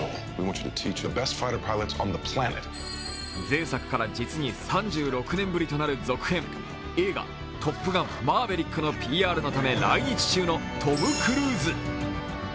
前作から実に３６年ぶりとなる続編、映画「トップガンマーヴェリック」のＰＲのため来日中のトム・クルーズ。